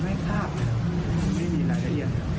ไม่ทราบเนี่ย